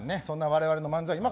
そんな我々の漫才